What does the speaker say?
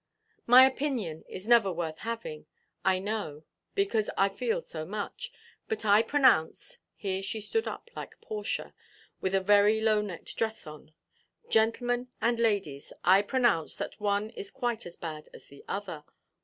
"my opinion is never worth having, I know, because I feel so much; but I pronounce——" here she stood up like Portia, with a very low–necked dress on—"gentlemen, and ladies, I pronounce that one is quite as bad as the other."